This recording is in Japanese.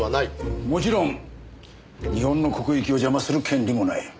もちろん日本の国益を邪魔する権利もない。